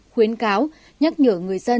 khuyến cáo nhắc nhở người dân